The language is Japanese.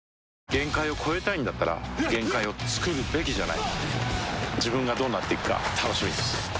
限界を越えたいんだったら限界をつくるべきじゃない自分がどうなっていくか楽しみです